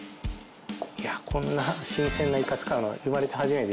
いやあこんな新鮮なイカ使うの生まれて初めてですね。